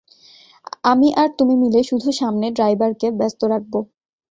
আমি আর তুমি মিলে শুধু সামনে ড্রাইভারকে ব্যস্ত রাখব।